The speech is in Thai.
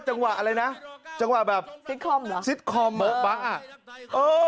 จังหวะอะไรนะจังหวะแบบซิตคอมเหมือนบะอ่ะเออ